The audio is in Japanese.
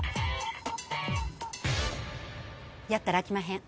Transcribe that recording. やったらあきまへん。